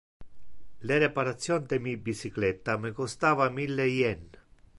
Le reparation de mi bicycletta me costava mille yen.